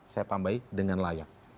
saya tambahin dengan layak